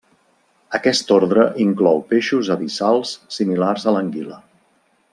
Aquest ordre inclou peixos abissals similars a l'anguila.